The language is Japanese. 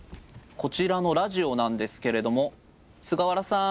こちらのラジオなんですけれども菅原さん